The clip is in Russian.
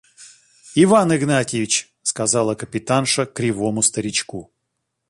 – Иван Игнатьич! – сказала капитанша кривому старичку.